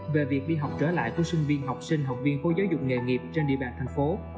về việc đi học trở lại của sinh viên học sinh học viên khối giáo dục nghề nghiệp trên địa bàn thành phố